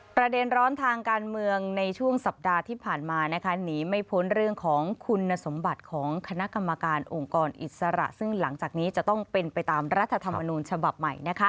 ประเด็นร้อนทางการเมืองในช่วงสัปดาห์ที่ผ่านมาหนีไม่พ้นเรื่องของคุณสมบัติของคณะกรรมการองค์กรอิสระซึ่งหลังจากนี้จะต้องเป็นไปตามรัฐธรรมนูญฉบับใหม่